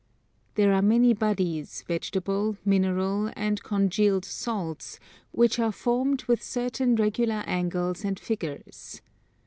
There are many bodies, vegetable, mineral, and congealed salts, which are formed with certain regular angles and figures.